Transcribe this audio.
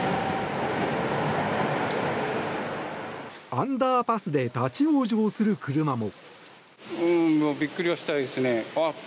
アンダーパスで立ち往生する車も。